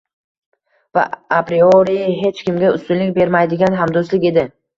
va apriori hech kimga ustunlik bermaydigan hamdo‘stlik edi.